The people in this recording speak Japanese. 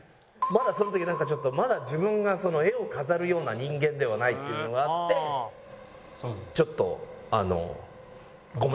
まだその時はなんかちょっとまだ自分が絵を飾るような人間ではないっていうのがあってちょっとあの「ごめん」っつって。